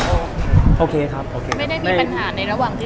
ไม่ได้มีปัญหาในระหว่างที่ทำยูทิตย์หรือเปล่า